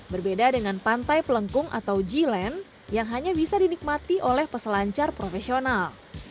berbeda dengan pantai pelengkung atau g land yang hanya bisa dinikmati orang orang